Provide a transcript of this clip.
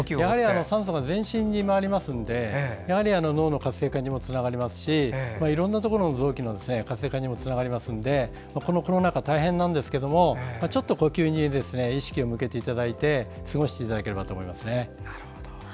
酸素が全身に回りますので脳の活性化にもつながりますしいろんなところの臓器の活性化にもつながりますのでこのコロナ禍大変なんですけどもちょっと呼吸に意識を向けていただいて過ごしていただけたらと思います。